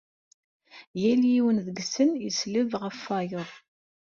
Yal yiwen deg-sen yesleb ɣef wayeḍ.